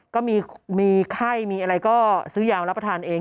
ก็มีไข้มีอะไรก็ซื้อยาวรับประทานเอง